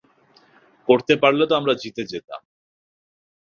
করতে পারলে তো আমরা জিতে জেতাম।